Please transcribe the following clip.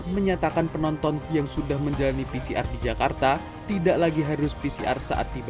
menyatakan penonton yang sudah menjalani pcr di jakarta tidak lagi harus pcr saat tiba